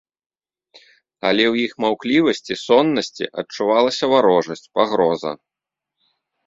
Але ў іх маўклівасці, соннасці адчувалася варожасць, пагроза.